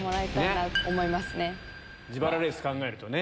自腹レース考えるとね。